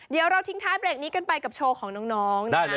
เดี๋ยวเราทิ้งท้ายเวลานี้ไปกันกับโชว์ของน้อง